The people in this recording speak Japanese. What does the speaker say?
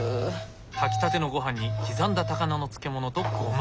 炊きたてのごはんに刻んだ高菜の漬物とゴマ。